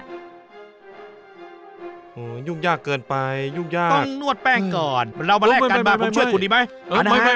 หือวยุ่งยากเกินไปยุ่งยากต้องนวดแป้งก่อนเรามาแลกก่อนมามันช่วยสักคนยังไง